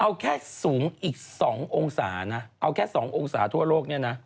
เอาแค่สูงอีก๒องศานะเอาแค่๒องศาทั่วโลกเนี่ยนะ